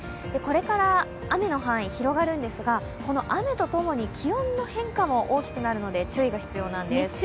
これから雨の範囲、広がるんですがこの雨とともに気温の変化も大きくなるので注意が必要なんです。